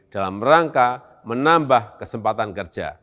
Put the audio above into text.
dalam rangka menambah kesempatan kerja